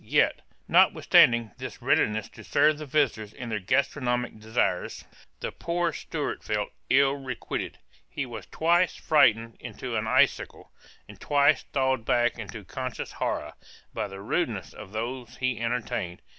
Yet, notwithstanding this readiness to serve the visitors in their gastronomic desires, the poor steward felt ill requited; he was twice frightened into an icicle, and twice thawed back into conscious horror, by the rudeness of those he entertained.